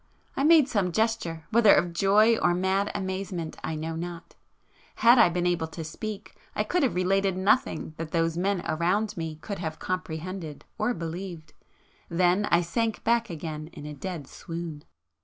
I made some gesture, whether of joy or mad amazement I know not,——had I been able to speak I could have related nothing that those men around me could have comprehended or believed, ... then I sank back again in a dead swoon.